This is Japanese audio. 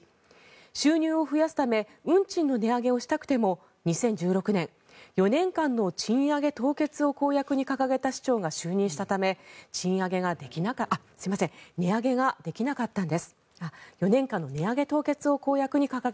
収入を増やすため運賃の値上げをしたくても２０１６年４年間の値上げ凍結を公約に掲げた市長が就任したので値上げができなかったんです。